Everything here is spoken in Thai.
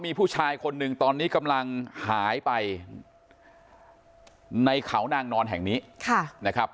มีผู้ชายคนหนึ่งตอนนี้กำลังหายไปในเขานางนอนแห่งนี้นะครับ